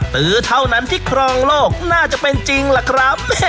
ตื้อเท่านั้นที่ครองโลกน่าจะเป็นจริงล่ะครับ